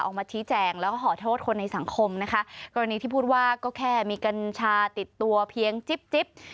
ออกมาชี้แจงแล้วก็ขอโทษคนในสังคมนะคะกรณีที่พูดว่าก็แค่มีกัญชาติดตัวเพียงจิ๊บจิ๊บ